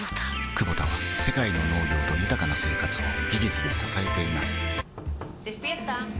クボタは世界の農業と豊かな生活を技術で支えています起きて。